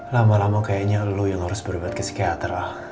lama lama kayaknya lu yang harus berobat ke psikiater lah